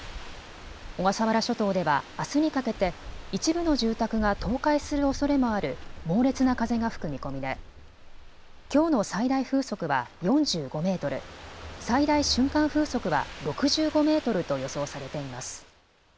小笠原諸島ではあすにかけて一部の住宅が倒壊するおそれもある猛烈な風が吹く見込みできょうの最大風速は４５メートル、最大瞬間風速は６５メートルと予想されています。